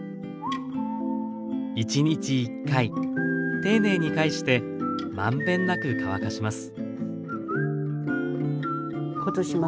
１日１回丁寧に返してまんべんなく乾かします。